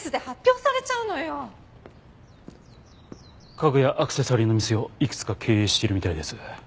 家具やアクセサリーの店をいくつか経営しているみたいです。